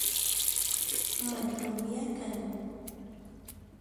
Matonbiakan